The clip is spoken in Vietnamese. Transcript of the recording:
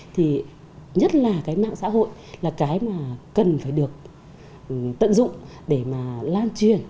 thì nhất là cái mạng xã hội là cái mà cần phải được tận dụng để mà lan truyền